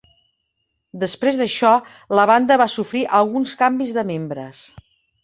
Després d'això, la banda va sofrir alguns canvis de membres.